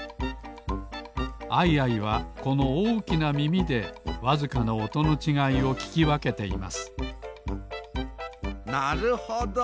アイアイはこのおおきなみみでわずかなおとのちがいをききわけていますなるほど。